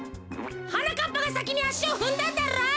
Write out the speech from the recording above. はなかっぱがさきにあしをふんだんだろう！